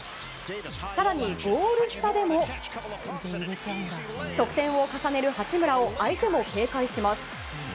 更に、ゴール下でも得点を重ねる八村を相手も警戒します。